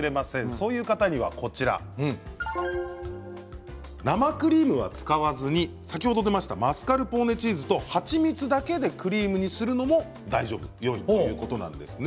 そういう方には生クリームは使わずに先ほど出ましたマスカルポーネチーズと蜂蜜だけで、クリームにするのもよいということなんですね。